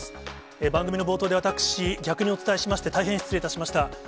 番組の冒頭で私、逆にお伝えしまして、大変失礼いたしました。